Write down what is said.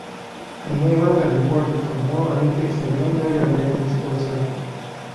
He may well have reported from more Olympics than any other American sportswriter.